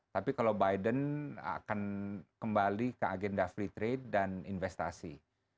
tapi kalau biden akan kembali ke agenda free trade dan investasi